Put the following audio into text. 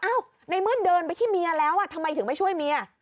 ในเมื่อเดินไปที่เมียแล้วทำไมถึงไม่ช่วยเมีย